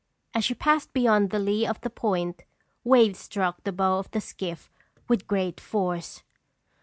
As she passed beyond the lee of the point, waves struck the bow of the skiff with great force.